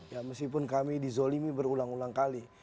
ya meskipun kami dizolimi berulang ulang kali